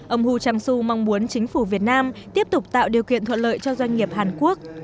ông hu trang su mong muốn chính phủ việt nam tiếp tục tạo điều kiện thuận lợi cho doanh nghiệp hàn quốc